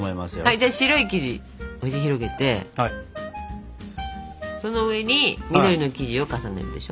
じゃあ白い生地押し広げてその上に緑の生地を重ねるでしょ？